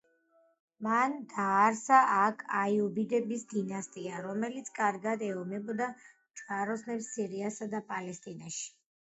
მან დააარსა აქ აიუბიდების დინასტია, რომელიც კარგად ეომებოდა ჯვაროსნებს სირიასა და პალესტინაში.